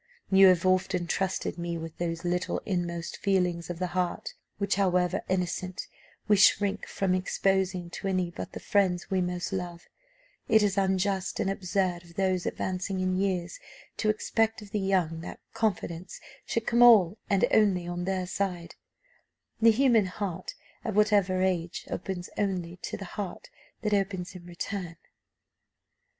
You have often trusted me with those little inmost feelings of the heart, which, however innocent, we shrink from exposing to any but the friends we most love; it is unjust and absurd of those advancing in years to expect of the young that confidence should come all and only on their side: the human heart, at whatever age, opens only to the heart that opens in return."